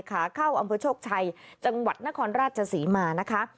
ขาเข้าอำเภอโชคชัยจังหวัดนครราชศรีมานะคะ